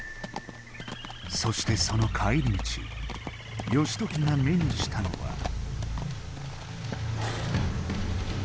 そしてその帰り道義時が目にしたのは。